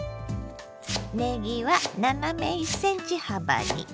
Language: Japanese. ねぎは斜め１ｃｍ幅に。